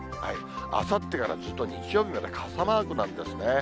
あさってからずっと日曜日まで、傘マークなんですね。